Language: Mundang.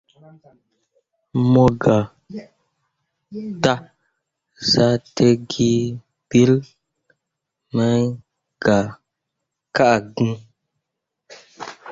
Mo gah taa zahdǝǝge ɓiile me gah ka gŋ.